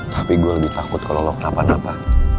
tapi gue lebih takut kalau lo kenapa napa